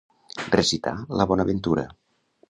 Recitar la bonaventura.